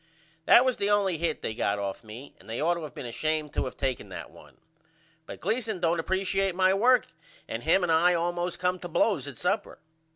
That was the only hit they got off of me and they ought to of been ashamed to of tooken that one. But Gleason don't appresiate my work and him and I allmost come to blows at supper.